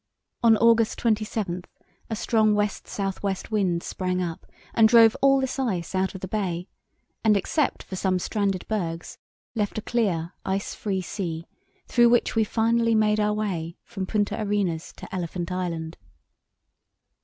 On August 27 a strong west south west wind sprang up and drove all this ice out of the bay, and except for some stranded bergs left a clear ice free sea through which we finally made our way from Punta Arenas to Elephant Island.